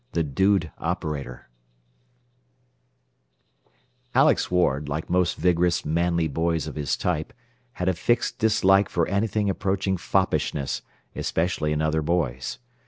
XV THE DUDE OPERATOR Alex Ward, like most vigorous, manly boys of his type, had a fixed dislike for anything approaching foppishness, especially in other boys.